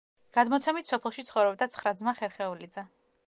გადმოცემით, სოფელში ცხოვრობდა ცხრა ძმა ხერხეულიძე.